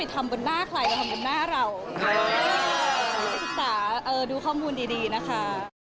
ศิกตาดูข้อมูลดีนะคะ